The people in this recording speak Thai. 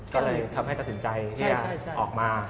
ก็เลยทำให้ตัดสินใจที่จะออกมา